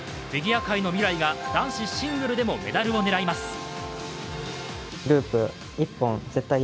フィギュア界の未来が男子シングルでもメダルを狙います。